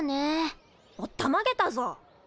おったまげたぞ。